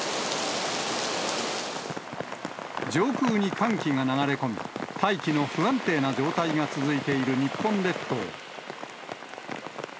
上空に寒気が流れ込み、待機の不安定な状態が続いている日本列島。